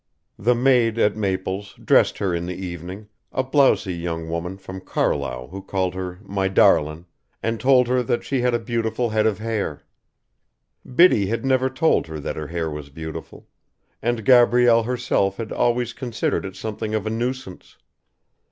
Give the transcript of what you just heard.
The maid at Maple's dressed her in the evening, a blowsy young woman from Carlow who called her 'my darlin,' and told her that she had a beautiful head of hair. Biddy had never told her that her hair was beautiful, and Gabrielle herself had always considered it something of a nuisance.